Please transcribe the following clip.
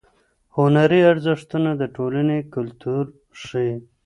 هنري ارزښتونه د ټولنې کلتور ښیي.